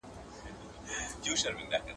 • تر دې ولاړي په خرپ نړېدلې ښه ده.